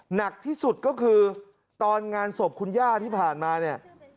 หนักที่สุดก็คือตอนงานศพคุณย่าที่ผ่านมาเนี่ย